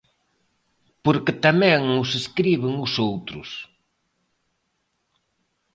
Porque tamén os escriben os outros.